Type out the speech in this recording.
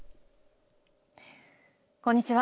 こんにちは。